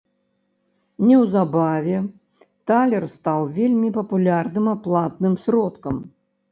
Неўзабаве талер стаў вельмі папулярным аплатным сродкам.